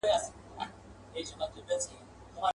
زوی یې وویل غم مه کوه بابکه.